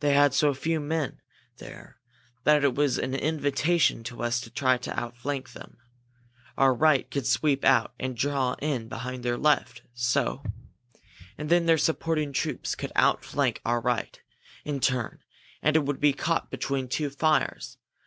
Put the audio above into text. They had so few men there that it was an invitation to us to try to outflank them. Our right could sweep out and draw in behind their left so. And then their supporting troops could outflank our right, in turn, and it would be caught between two fires!